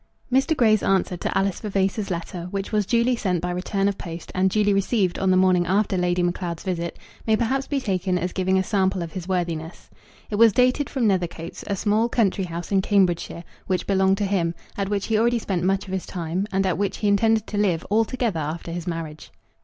Mr. Grey's answer to Alice Vavasor's letter, which was duly sent by return of post and duly received on the morning after Lady Macleod's visit, may perhaps be taken as giving a sample of his worthiness. It was dated from Nethercoats, a small country house in Cambridgeshire which belonged to him, at which he already spent much of his time, and at which he intended to live altogether after his marriage.